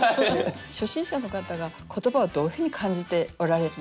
初心者の方が言葉をどういうふうに感じておられるのか。